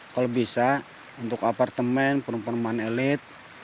kalau bisa untuk apartemen perempuan elit